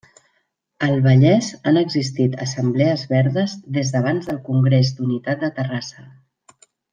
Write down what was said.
Al Vallès han existit assemblees verdes des d'abans del Congrés d'Unitat de Terrassa.